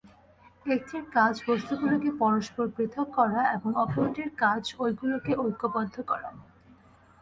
একটির কাজ বস্তুগুলিকে পরস্পর পৃথক করা এবং অপরটির কাজ ঐগুলিকে ঐক্যবদ্ধ করা।